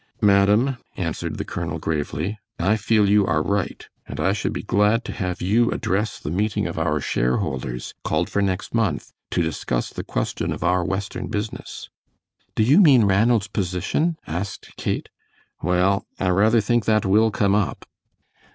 "Madam," answered the colonel, gravely, "I feel you are right, and I should be glad to have you address the meeting of our share holders, called for next month, to discuss the question of our western business." "Do you mean Ranald's position?" asked Kate. "Well, I rather think that will come up."